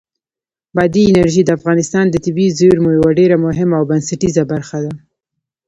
بادي انرژي د افغانستان د طبیعي زیرمو یوه ډېره مهمه او بنسټیزه برخه ده.